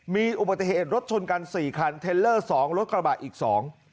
มีอุบัติเหตุรถชนกันสี่คันเทลเลอร์สองรถกระบะอีกสอง